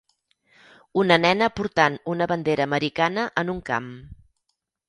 Una nena portant una bandera americana en un camp.